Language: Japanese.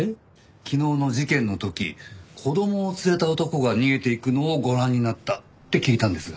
昨日の事件の時子供を連れた男が逃げていくのをご覧になったって聞いたんですが。